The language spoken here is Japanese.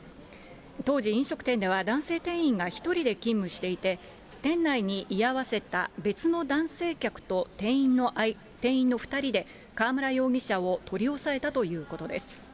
当時、飲食店では男性店員が１人で勤務していて、店内に居合わせた別の男性客と店員の２人で、河村容疑者を取り押さえたということです。